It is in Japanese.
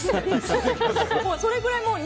それぐらい。